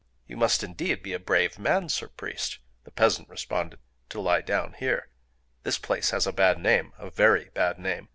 "You must be indeed a brave man, Sir Priest," the peasant responded, "to lie down here! This place has a bad name,—a very bad name.